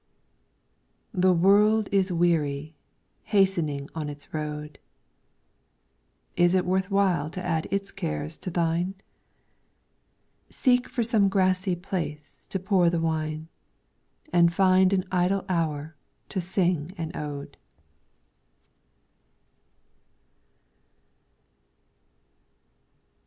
The world is weary, hasting on its road ; Is it worth while to add its cares to thine ? Seek for some grassy place to pour the wine, And find an idle hour to sing an ode.